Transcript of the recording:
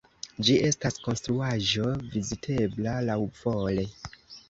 Ĝi estas konstruaĵo vizitebla laŭvole.